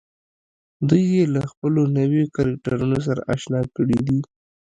دوی يې له خپلو نويو کرکټرونو سره اشنا کړي دي.